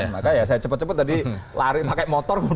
maka ya saya cepat cepat tadi lari pakai motor pulang